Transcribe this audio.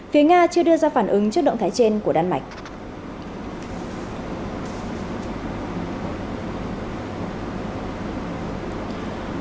phía nga chưa đưa ra phản ứng trước động thái trên của đan mạch